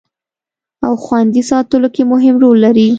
او خوندي ساتلو کې مهم رول لري